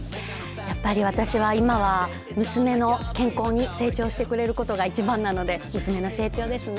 やっぱり私は、今は娘が健康に成長してくれることが一番なので娘の成長ですね。